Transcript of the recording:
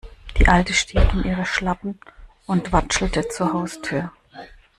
Die Alte stieg in ihre Schlappen und watschelte zur Haustür.